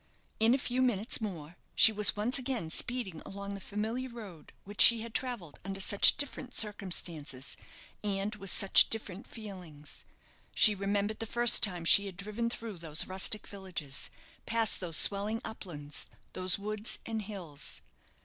In a few minutes more she was once again speeding along the familiar road which she had travelled under such different circumstances, and with such different feelings. She remembered the first time she had driven through those rustic villages, past those swelling uplands, those woods and hills.